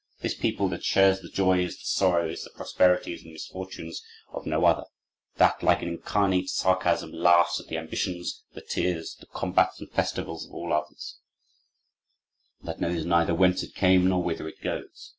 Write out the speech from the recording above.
This people that shares the joys, the sorrows, the prosperities, and misfortunes of no other; that, like an incarnate sarcasm, laughs at the ambitions, the tears, the combats, and festivals of all others; that knows neither whence it came nor whither it goes